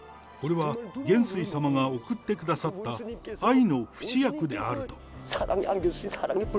これは元帥様が送ってくださった、愛の不死薬であると。